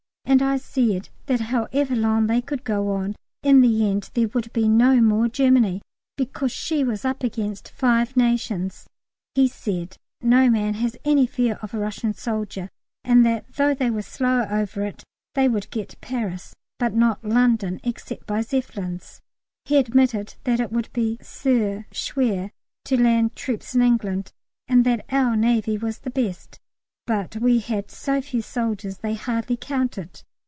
And I said that however long they could go on, in the end there would be no more Germany because she was up against five nations. He said no man has any fear of a Russian soldier, and that though they were slow over it they would get Paris, but not London except by Zeppelins; he admitted that it would be sehr schwer to land troops in England, and that our Navy was the best, but we had so few soldiers, they hardly counted!